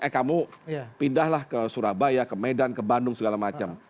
eh kamu pindahlah ke surabaya ke medan ke bandung segala macam